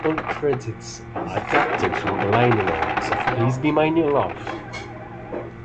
All credits are adapted from the liner notes of "Please Be My New Love".